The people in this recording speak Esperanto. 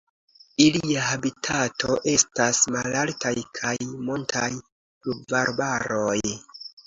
Ilia habitato estas malaltaj kaj montaj pluvarbaroj.